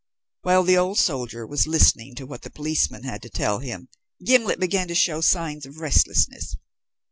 While the old soldier was listening to what the policeman had to tell him, Gimblet began to show signs of restlessness.